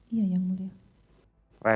iya yang mulia